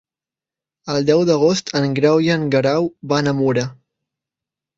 El deu d'agost en Grau i en Guerau van a Mura.